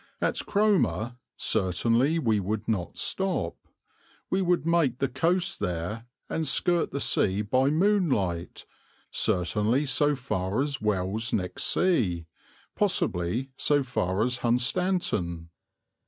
At Cromer certainly we would not stop. We would make the coast there and skirt the sea by moonlight, certainly so far as Wells next Sea, possibly so far as Hunstanton.